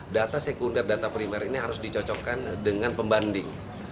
data sekunder data primer ini harus dicocokkan dengan pembanding